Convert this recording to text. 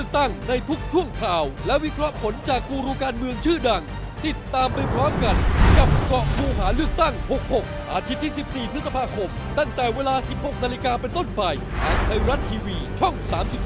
ตั้งแต่เวลา๑๔นาฬิกาเป็นตอนไปอันเท่ารันทีวีช่อง๓๒